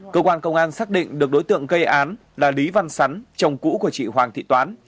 cơ quan công an xác định được đối tượng gây án là lý văn sắn chồng cũ của chị hoàng thị toán